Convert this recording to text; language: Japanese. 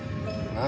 何？